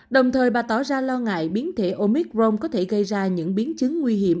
đồng thời bà tỏ ra lo ngại biến thể omicron có thể gây ra những biến chứng nguy hiểm